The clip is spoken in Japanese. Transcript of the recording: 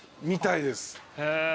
みたいです。